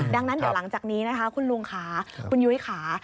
ดังนั้นเดี๋ยวหลังจากนี้นะคะคุณลุงค่ะคุณยุ้ยค่ะ